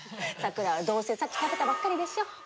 さくらはどうせさっき食べたばっかりでしょ？